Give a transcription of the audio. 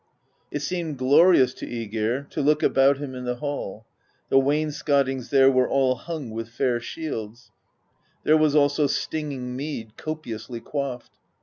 It seemed glo rious to ^gir to look about him in the hall: the wain scottings there were all hung with fair shields; there was also stinging mead, copiously quaffed.